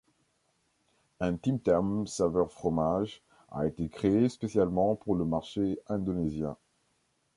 Un Tim Tam saveur fromage a été créé spécialement pour le marché indonésien.